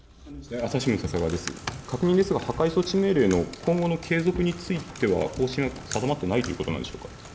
確認ですが、破壊措置命令の今後の継続については、方針は定まっていないということなんでしょうか。